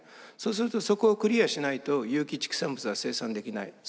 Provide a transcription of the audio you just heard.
そうするとそこをクリアしないと有機畜産物は生産できない。